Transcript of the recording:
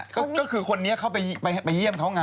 ก็คือคนนี้เขาไปเยี่ยมเขาไง